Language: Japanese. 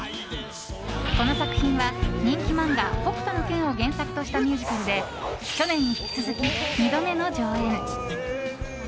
この作品は、人気漫画「北斗の拳」を原作としたミュージカルで去年に引き続き２度目の上演。